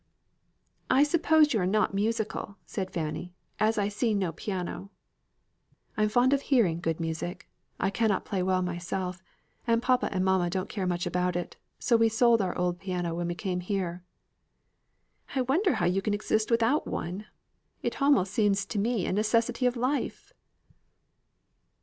"I suppose you are not musical," said Fanny, "as I see no piano." "I am fond of hearing good music; I cannot play well myself; and papa and mamma don't care much about it; so we sold our old piano when we came here." "I wonder how you can exist without one. It almost seems to me a necessary of life."